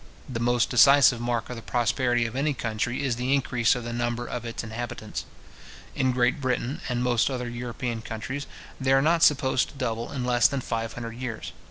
The most decisive mark of the prosperity of any country is the increase of the number of its inhabitants. In Great Britain, and most other European countries, they are not supposed to double in less than five hundred years.